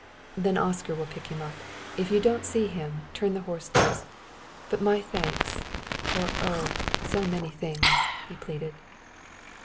"Then Oscar will pick him up. If you don't see him, turn the horse loose. But my thanks for oh, so many things!" he pleaded.